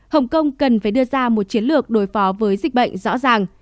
hồng kông cần phải đưa ra một chiến lược đối phó với dịch bệnh rõ ràng